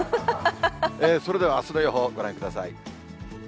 それではあすの予報、ご覧ください。